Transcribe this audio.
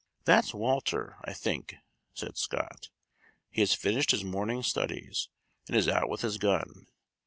"That's Walter, I think," said Scott; "he has finished his morning's studies, and is out with his gun.